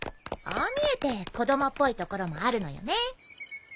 ああ見えて子供っぽいところもあるのよね。